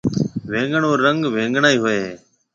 وينگڻ رو رنگ وينگڻائي هوئي هيَ۔